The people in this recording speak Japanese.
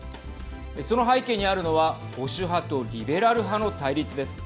その背景にあるのは保守派とリベラル派の対立です。